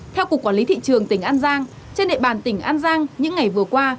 theo cục quản lý thị trường tỉnh an giang trên địa bàn tỉnh an giang những ngày vừa qua